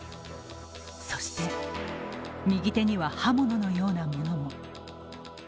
そして、右手には刃物のようなものも。